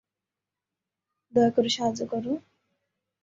দয়াকরে, সাহায্য করো।